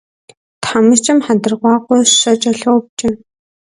Тхьэмыщкӏэм хьэндыркъуакъуэр щэ кӏэлъопкӏэ.